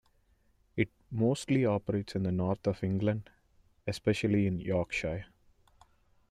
It mostly operates in the North of England, especially in Yorkshire.